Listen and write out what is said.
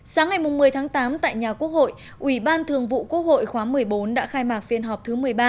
sáng ngày một mươi tháng tám tại nhà quốc hội ubthq một mươi bốn đã khai mạc phiên họp thứ một mươi ba